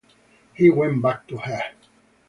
He went back to her.